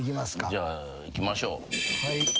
じゃあいきましょう。